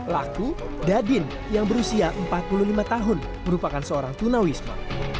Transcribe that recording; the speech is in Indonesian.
laku dadin yang berusia empat puluh lima tahun merupakan seorang tunawisno